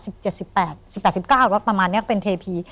สิบแปดสิบเก้าประมาณเนี้ยเป็นเทพี